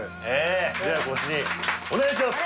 ではご主人お願いします！